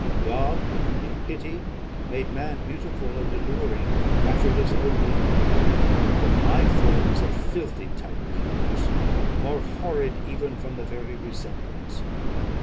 God, in pity, made man beautiful and alluring, after his own image; but my form is a filthy type of yours, more horrid even from the very resemblance.